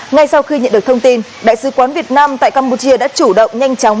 ngay sau khi nhận được thông tin đại sứ quán việt nam tại campuchia đã chủ động nhanh chóng